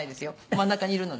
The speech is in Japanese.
真ん中にいるのね。